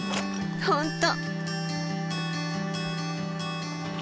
本当！